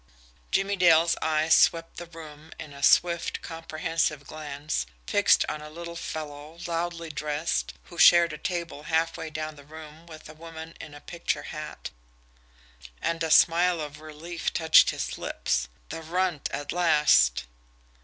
Jimmie Dale's eyes swept the room in a swift, comprehensive glance, fixed on a little fellow, loudly dressed, who shared a table halfway down the room with a woman in a picture hat, and a smile of relief touched his lips. The Runt at last!